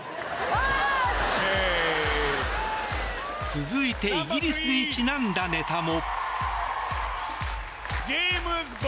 続いてイギリスにちなんだネタも。